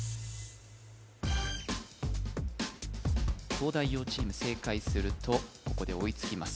東大王チーム正解するとここで追いつきます